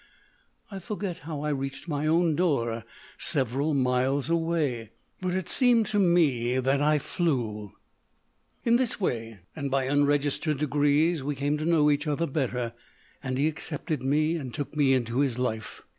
I forget how I reached my own door several miles away, but it seemed to me that I flew. THE OLD MAN OF VISIONS 267 In this way, and by unregistered degrees, we came to know each other better, and he accepted me and took me into his life.